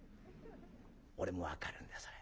俺も分かるんだそれ。